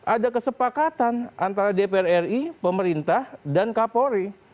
ada kesepakatan antara dpr ri pemerintah dan kapolri